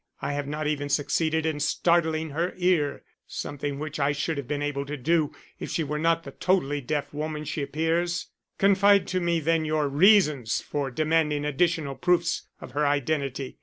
I have not even succeeded in startling her ear something which I should have been able to do if she were not the totally deaf woman she appears. Confide to me then your reasons for demanding additional proofs of her identity.